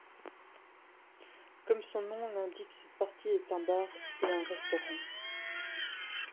Comme son nom l'indique cette partie est un bar et un restaurant.